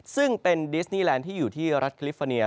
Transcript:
ซึ่งเป็นดิสนีแลนด์ที่อยู่ที่รัฐคลิฟอร์เนีย